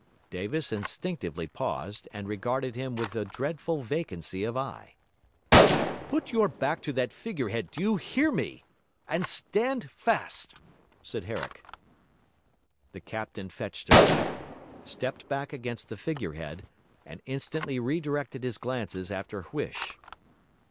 Davis instinctively paused, and regarded him with a dreadful vacancy of eye. 'Put your back to that figure head, do you hear me? and stand fast!' said Herrick. The captain fetched a breath, stepped back against the figure head, and instantly redirected his glances after Huish.